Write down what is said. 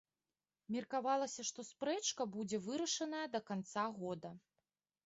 Меркавалася, што спрэчка будзе вырашаная да канца года.